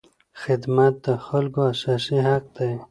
خدمت د خلکو اساسي حق دی.